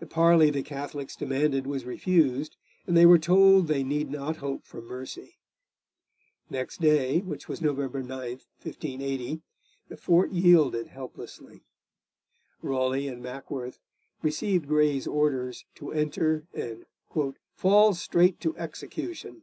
The parley the Catholics demanded was refused, and they were told they need not hope for mercy. Next day, which was November 9, 1580, the fort yielded helplessly. Raleigh and Mackworth received Grey's orders to enter and 'fall straight to execution.'